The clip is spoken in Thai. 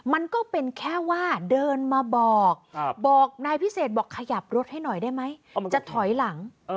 มันก็เป็นแค่ว่าเดินมาบอกบอกนายพิเศษบอกขยับรถให้หน่อยได้ไหมจะถอยหลัง